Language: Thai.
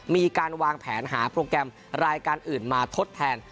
มีการวางแผนหาโปรแกรมรายการอื่นมาทดแทน